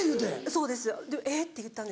そうです「えっ⁉」て言ったんです。